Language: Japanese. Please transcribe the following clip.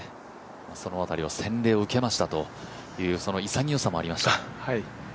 その辺りを洗礼を受けましたという潔さもありました。